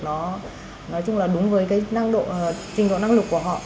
nói chung là đúng với trình độ năng lực của họ